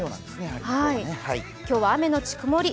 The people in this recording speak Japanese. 今日は雨のち曇り。